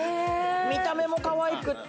見た目もかわいくって。